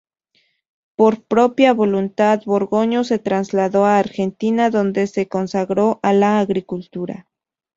Por propia voluntad, Borgoño se trasladó a Argentina, donde se consagró a la agricultura.